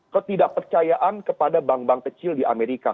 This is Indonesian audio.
ketidakpercayaan kepada bank bank kecil di amerika